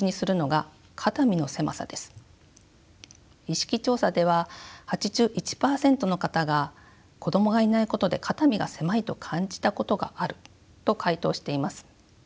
意識調査では８１％の方が子どもがいないことで肩身が狭いと感じたことがあると回答しています。